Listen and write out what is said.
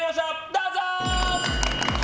どうぞ！